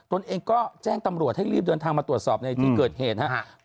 ตนเองก็แจ้งตำรวจให้รีบเดินทางมาตรวจสอบในที่เกิดเหตุนะครับ